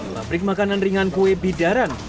pabrik makanan ringan kue bidaran